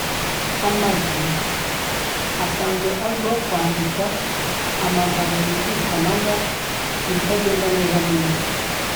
Ama G asanzwe azwiho kwandika amagambo yumvikanamo ibitagenda mu muryango